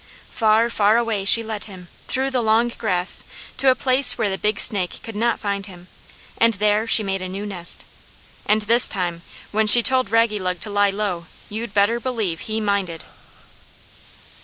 Far, far away she led him, through the long grass, to a place where the big snake could not find him, and there she made a new nest. And this time, when she told Raggylug to lie low you'd better believe he minded!